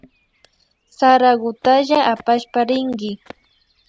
Sarakutalla apashpa rinki